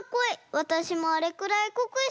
わたしもあれくらいこくしたいな。